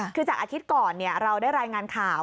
คือจากอาทิตย์ก่อนเราได้รายงานข่าว